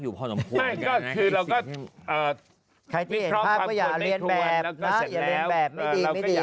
ดึกสติก็ได้